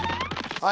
はい！